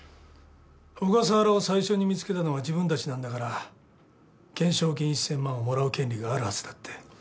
小笠原を最初に見つけたのは自分たちなんだから懸賞金１，０００万をもらう権利があるはずだって。